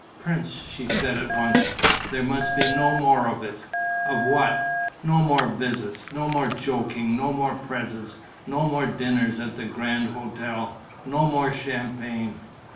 "Prince," she said at once, "there must be no more of it." "Of what?" "No more visits, no more joking, no more presents, no more dinners at the Grand Hôtel, no more champagne."